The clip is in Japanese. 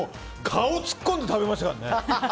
顔突っ込んで食べましたからね。